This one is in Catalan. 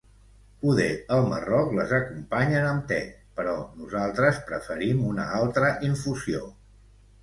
Poder al Marroc les acompanyen amb te, però nosaltres preferim una altra infusió.